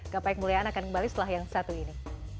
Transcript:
gapai kemuliaan akan kembali setelah yang satu ini